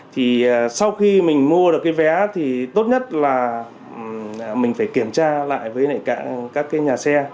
thì sau khi mình mua được cái vé thì tốt nhất là mình phải kiểm tra lại với các cái nhà xe